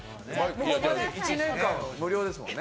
１年間無料ですもんね。